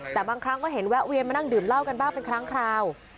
แต่บางครั้งก็เห็นแวะเวียนมานั่งดื่มเหล้ากันบ้างเป็นครั้งคราว